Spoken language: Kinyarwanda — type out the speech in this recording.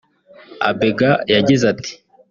Abega yagize ati